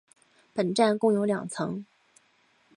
本站共有两层。